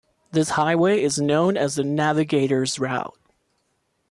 This highway is known as the Navigator's Route.